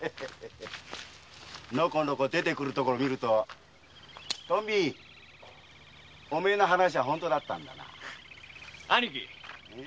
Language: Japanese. のこのこ出てくるところをみるとトンビお前の話は本当だったんだな。